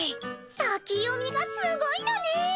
先読みがすごいのね。